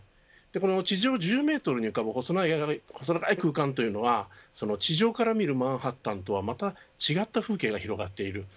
この地上１０メートルに浮かぶ細長い空間は地上から見るマンハッタンとはまた違った風景が広がっている。